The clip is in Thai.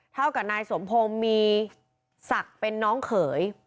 เท่ากับนายสมพงศ์มีศักดิ์เป็นน้องเขย